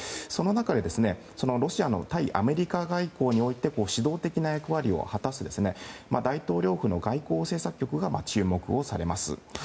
その中で、ロシアの対アメリカ外交において主導的な役割を果たす大統領府の外交政策局が注目されます。